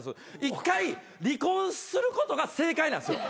一回離婚することが正解なんですよ。